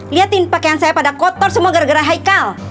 liatin pakaian saya pada kotor semua gara gara hai kal